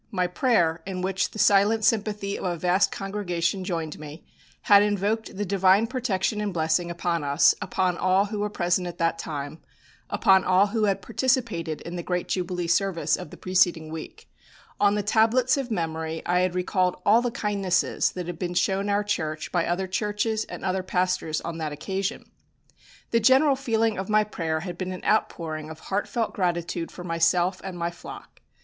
My prayer, in which the silent sympathy of a vast congregation joined me, had invoked the Divine protection and blessing upon us, upon all who were present at that time, upon all who had participated in the great jubilee service of the preceding week. On the tablets of memory I had recalled all the kindnesses that had been shown our church by other churches and other pastors on that occasion. The general feeling of my prayer had been an outpouring of heartfelt gratitude for myself and my flock.